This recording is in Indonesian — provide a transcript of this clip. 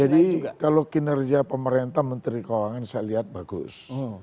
jadi kalau kinerja pemerintah menteri keuangan saya lihat bagus